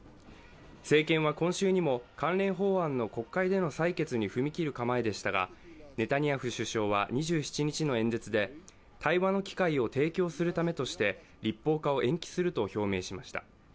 政権は今週にも関連法案の国会での採決に踏み切る構えでしたが、ネタニヤフ首相は２７日の演説で対話の機会を提供するためとして立法化を延期すると表明しました。